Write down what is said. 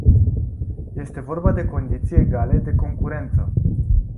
Este vorba despre condiții egale de concurență.